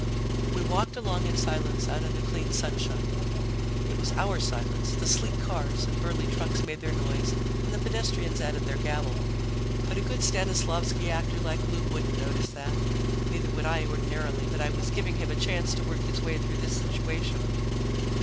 We walked along in silence out in the clean sunshine. It was our silence; the sleek cars and burly trucks made their noise and the pedestrians added their gabble, but a good Stanislavsky actor like Lou wouldn't notice that. Neither would I, ordinarily, but I was giving him a chance to work his way through this situation.